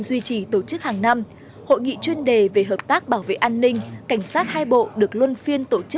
xin chào và hẹn gặp lại